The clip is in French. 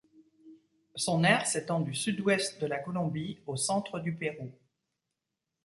Son aire s'étend du sud-ouest de la Colombie au centre du Pérou.